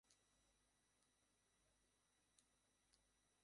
ফেলোরা নিজেদের মধ্যে মতবিনিময়ের পাশাপাশি প্রশিক্ষণ শেষে নিজ নিজ দেশে কাজ করবেন।